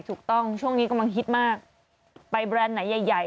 ถูกต้องช่วงนี้ก็มันฮิตมากใบแบรนด์ใหญ่